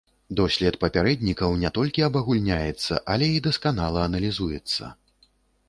Дослед папярэднікаў не толькі абагульняецца, але і дасканала аналізуецца.